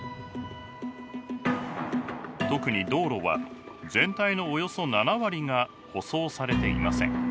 特に道路は全体のおよそ７割が舗装されていません。